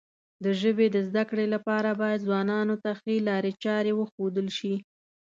د ژبې د زده کړې لپاره باید ځوانانو ته ښې لارې چارې وښودل شي.